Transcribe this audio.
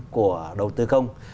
của đầu tư công